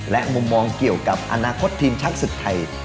และมุมมองเกี่ยวกับอนาคตทีมชาติศึกไทย